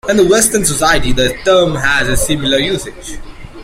In the Western society, the term has a similar usage.